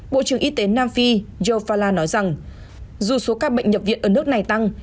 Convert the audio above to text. bộ trưởng y tế nam phi yofala nói rằng dù số ca bệnh nhập viện ở nước này tăng